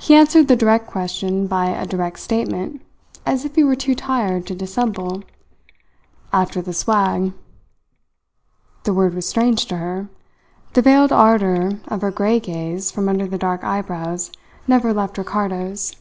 He answered the direct question by a direct statement, as if he were too tired to dissemble: "After the swag." The word was strange to her. The veiled ardour of her grey gaze from under the dark eyebrows never left Ricardo's.